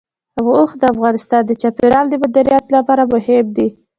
اوښ د افغانستان د چاپیریال د مدیریت لپاره مهم دي.